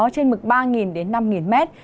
trên mức ba đến năm mét